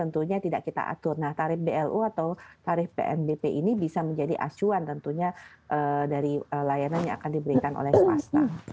tentunya tidak kita atur nah tarif blu atau tarif pnbp ini bisa menjadi acuan tentunya dari layanan yang akan diberikan oleh swasta